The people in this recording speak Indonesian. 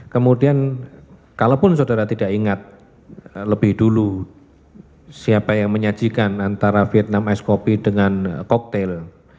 kemudian kalaupun saudara tidak ingat lebih dulu siapa yang menyajikan antara vietnam ice coffee dengan cocktail